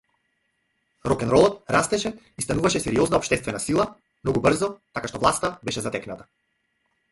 Рокенролот растеше и стануваше сериозна општествена сила многу брзо, така што власта беше затекната.